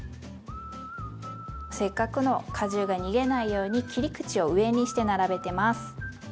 せっかくの果汁が逃げないように切り口を上にして並べてます。